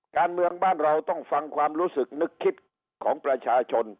การเมืองบ้านเราต้องฟังความรู้สึกนึกคิดของประชาชน